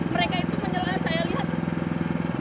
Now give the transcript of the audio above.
mereka itu menyelah saya lihat